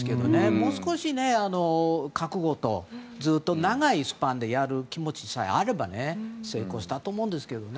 もう少し、覚悟とずっと長いスパンでやる気持ちがあれば成功したと思うんですけどね。